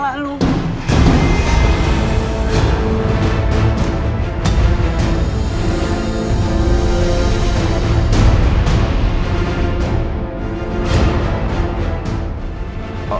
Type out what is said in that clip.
maksud ibu apa sih